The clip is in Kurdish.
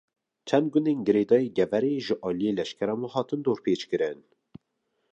Çend gundên girêdayî Geverê, ji aliyê leşkeran ve hatin dorpêçkirin